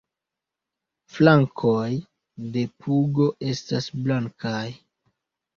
Flankoj de pugo estas blankaj.